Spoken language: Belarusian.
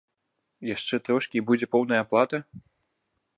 Яшчэ трошкі, і будзе поўная аплата?